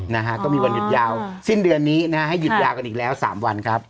นะฮะก็มีวันหยุดยาวสิ้นเดือนนี้นะฮะให้หยุดยาวกันอีกแล้วสามวันครับ